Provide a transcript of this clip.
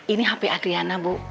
ini hp adriana bu